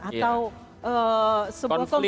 atau sebuah kompetisi